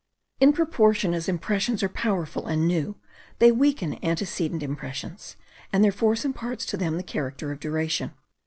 In proportion as impressions are powerful and new, they weaken antecedent impressions, and their force imparts to them the character of duration.